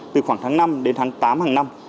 từ khoảng tháng năm đến tháng tám hàng năm